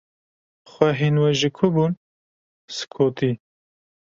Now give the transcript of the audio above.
Xwehên we ji ku bûn? "Skotî."